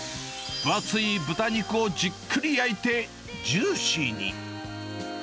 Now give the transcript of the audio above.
分厚い豚肉をじっくり焼いて、ジューシーに。